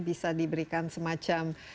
bisa diberikan semacam